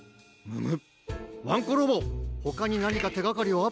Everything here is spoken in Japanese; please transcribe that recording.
むむっワンコロボほかになにかてがかりは？